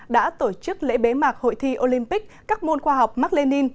đã tổ chức lễ bế mạc hội thi olympic các môn khoa học mark lenin